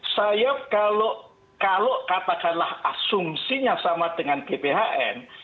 saya kalau katakanlah asumsinya sama dengan gbhn